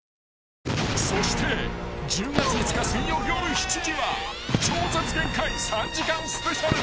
［そして１０月５日水曜夜７時は『超絶限界』３時間スペシャル］